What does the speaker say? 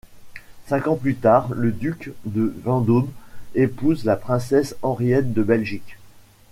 Cinq ans plus tard, le duc de Vendôme épouse la princesse Henriette de Belgique.